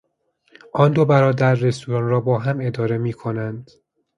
آن دو برادر رستوران رابا هم اداره میکنند.